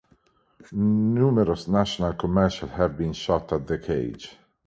Numerous national commercials have been shot at The Cage.